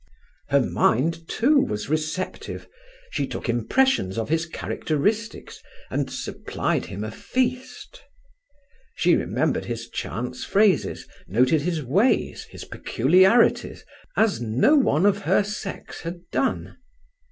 Her mind, too, was receptive. She took impressions of his characteristics, and supplied him a feast. She remembered his chance phrases; noted his ways, his peculiarities, as no one of her sex had done.